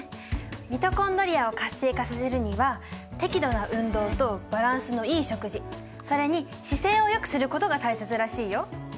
ミトコンドリアを活性化させるには適度な運動とバランスのいい食事それに姿勢をよくすることが大切らしいよ。